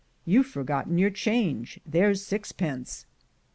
you've forgot your change — there's sixpence."